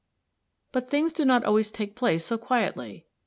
] But things do not always take place so quietly.